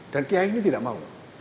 dan kiai ini tidak mau